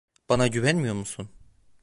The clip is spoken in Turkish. Bana güvenmiyor musun?